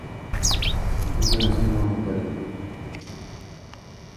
Huston nació en Roma, Italia.